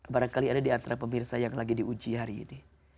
barangkali ada diantara pemirsa yang lagi diuji hari ini